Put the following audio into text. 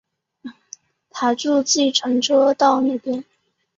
搭著计程车到那边